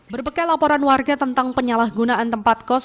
berbekal laporan warga tentang penyalahgunaan tempat kos